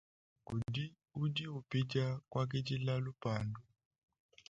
Kudi udi upidia kuakidila lupandu.